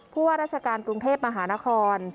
ว่าราชการกรุงเทพมหานคร